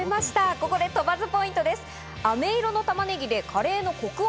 ここで、鳥羽ポイントです。